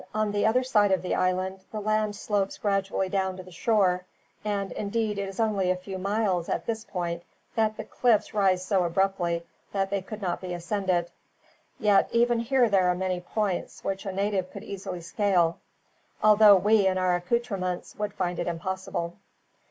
"On the other side of the island the land slopes gradually down to the shore, and indeed it is only for a few miles, at this point, that the cliffs rise so abruptly that they could not be ascended. Yet even here there are many points which a native could easily scale; although we, in our accoutrements, would find it impossible."